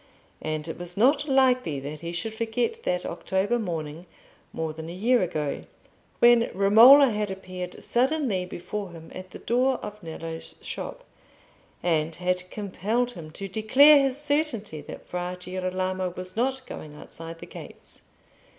And it was not likely that he should forget that October morning more than a year ago, when Romola had appeared suddenly before him at the door of Nello's shop, and had compelled him to declare his certainty that Fra Girolamo was not going outside the gates.